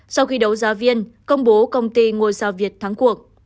sau khi đấu giá viên công bố công ty ngôi sao việt thắng cuộc